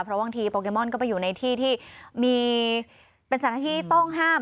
เพราะบางทีโปเกมอนก็ไปอยู่ในที่ที่มีเป็นสถานที่ต้องห้าม